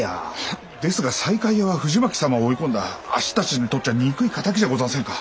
ですが西海屋は藤巻様を追い込んだあっしたちにとっちゃあ憎い敵じゃあござんせんか。